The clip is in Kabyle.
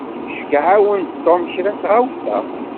Iceyyeɛ-awen-d Tom kra n tɣawsa.